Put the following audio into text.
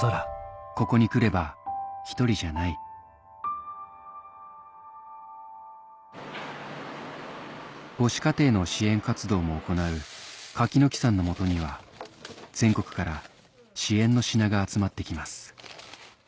ここに来れば一人じゃない母子家庭の支援活動も行う柿木さんの元には全国から支援の品が集まって来ます